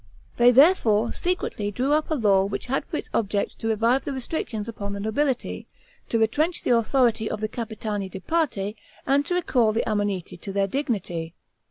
They, therefore, secretly draw up a law which had for its object to revive the restrictions upon the nobility, to retrench the authority of the Capitani di Parte, and recall the ammoniti to their dignity.